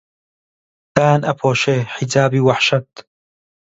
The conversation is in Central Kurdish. دایان ئەپۆشێ حیجابی وەحشەت